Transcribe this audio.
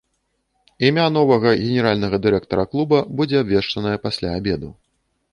Імя новага генеральнага дырэктара клуба будзе абвешчанае пасля абеду.